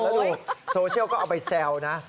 แล้วโซเชียลก็ออกไปแสวนะ